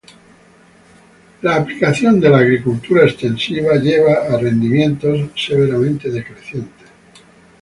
La aplicación de la agricultura extensiva lleva a rendimientos severamente decrecientes.